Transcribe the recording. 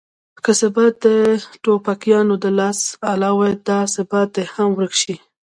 که ثبات د ټوپکیانو د لاس اله وي دا ثبات دې هم ورک شي.